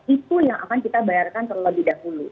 itu yang akan kita bayarkan terlebih dahulu